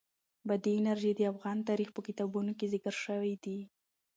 بادي انرژي د افغان تاریخ په کتابونو کې ذکر شوی دي.